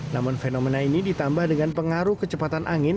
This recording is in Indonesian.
namun fenomena ini ditambah dengan pengaruh kecepatan angin